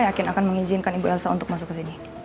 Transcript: yakin akan mengizinkan ibu elsa untuk masuk ke sini